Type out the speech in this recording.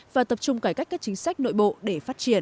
và tập trung cải cách các chính sách nội bộ để phát triển